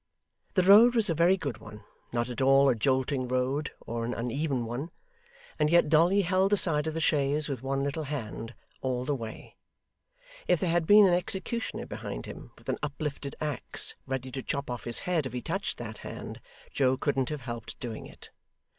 The road was a very good one; not at all a jolting road, or an uneven one; and yet Dolly held the side of the chaise with one little hand, all the way. If there had been an executioner behind him with an uplifted axe ready to chop off his head if he touched that hand, Joe couldn't have helped doing it.